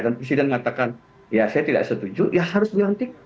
dan presiden mengatakan ya saya tidak setuju ya harus dilantik